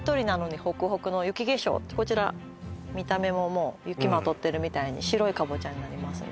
こちら見た目ももう雪まとってるみたいに白いカボチャになりますね